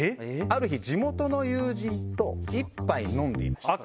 ある日地元の友人と一杯飲んでいました。